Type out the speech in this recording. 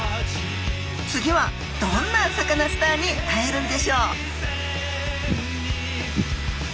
次はどんなサカナスターに会えるんでしょう